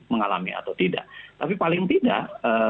mengalami atau tidak tapi paling tidak